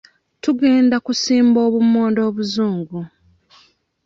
Tugenda kusimba bummonde buzungu.